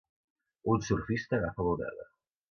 un surfista agafa l'onada.